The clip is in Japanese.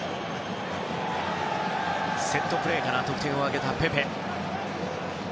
セットプレーから得点を挙げたペペ。